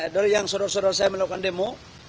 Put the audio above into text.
dari yang saudara saudara saya melakukan demo